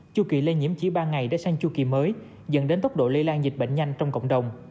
chu kỳ lây nhiễm chỉ ba ngày để sang chu kỳ mới dẫn đến tốc độ lây lan dịch bệnh nhanh trong cộng đồng